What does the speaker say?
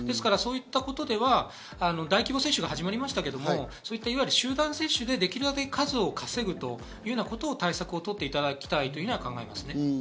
そういったことでは大規模接種が始まりましたけど、いわゆる集団接種でできるだけ数を稼ぐということで対策を取っていただきたいと考えます。